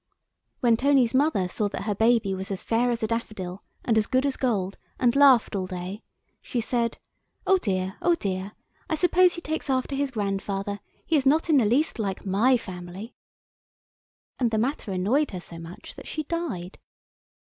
When Tony's mother saw that her baby was as fair as a daffodil and as good as gold, and laughed all day, she said, "Oh dear, oh dear, I suppose he takes after his grandfather, he is not in the least like my family," and the matter annoyed her so much that she died.